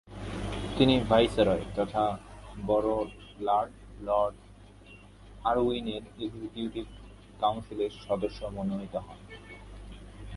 তিনি ভাইসরয় তথা বড়লাট লর্ড আরউইনের এক্সিকিউটিভ কাউন্সিলের সদস্য মনোনীত হন।